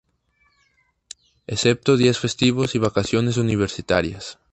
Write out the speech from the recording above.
Excepto días festivos y vacaciones universitarias.